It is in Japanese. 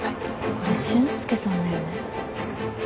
これ俊介さんだよね。